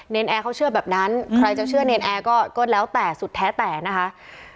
แอร์เขาเชื่อแบบนั้นใครจะเชื่อเนรนแอร์ก็แล้วแต่สุดแท้แต่นะคะ